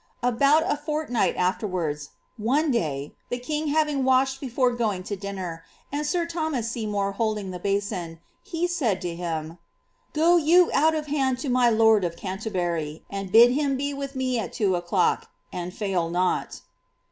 About « fortnight afterwards, one day, the king having washed before going to dinner, and sir Thomas Seymour holding the basin, he said to him, ^Go you out of hand to my lord of Canterbury, and bid him be with me IS two o'clock, and fail not."